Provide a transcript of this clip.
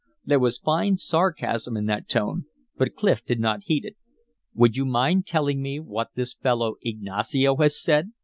There was fine sarcasm in that tone; but Clif did not heed it. "Would you mind telling me what this fellow Ignacio has said?"